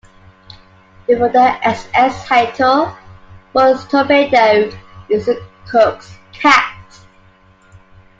Before the S. S. Hato was torpedoed, he was the cook's cat.